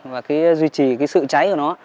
và duy trì sự cháy của nó